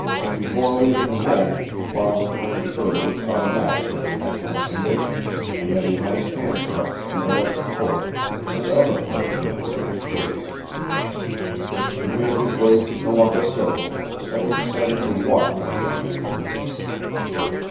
Before leaving home, Farland made sure that his automatic was in excellent condition, and that he had his handcuffs and electric torch and other paraphernalia of his trade. He made his way to Columbus Circle, having decided to walk to the rendezvous.